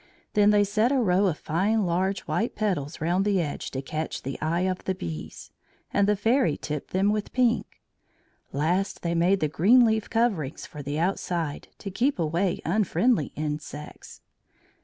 Then they set a row of fine large white petals round the edge to catch the eyes of the bees, and the Fairy tipped them with pink. Last they made the green leaf coverings for the outside to keep away unfriendly insects.